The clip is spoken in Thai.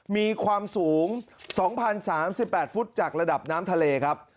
มีความสูง๒๐๓๘ฟุตจากระดับน้ำทะเลครับ